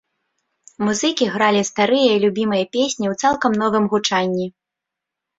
Музыкі гралі старыя і любімыя песні ў цалкам новым гучанні.